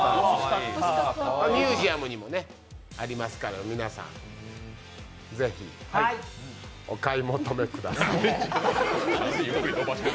ミュージアムにもありますから皆さん、是非お買い求めください。